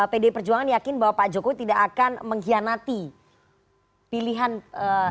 pdi perjuangan yakin bahwa pak jokowi tidak akan mengkhianati pilihan presiden